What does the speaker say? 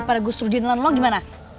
ya pada gue suruh dia nelen lo gimana